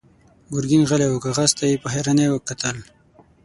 ګرګين غلی و، کاغذ ته يې په حيرانۍ کتل.